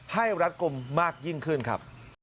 รัดกลุ่มมากยิ่งขึ้นครับ